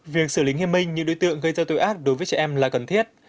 việc xử lý nghiêm minh những đối tượng gây ra tội ác đối với trẻ em là cần thiết